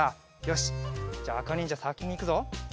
よしっじゃああかにんじゃさきにいくぞ。